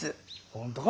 本当か？